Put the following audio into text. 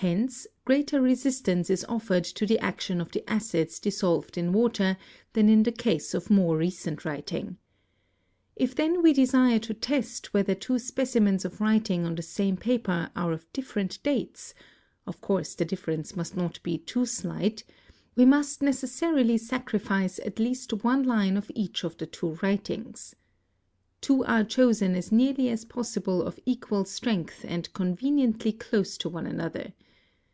Hence greater resistance is offered to the action of the acids dissolved in water than in the case of more recent writing. If then we desire to test whether two specimens of writing on the same paper are of different dates—of course the difference must not be too slight—we must neces sarily sacrifice at least one line of each of the two writings. ''T'wo are chosen as nearly as possible of equal strength and conveniently close to one another.